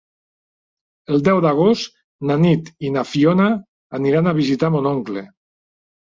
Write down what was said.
El deu d'agost na Nit i na Fiona aniran a visitar mon oncle.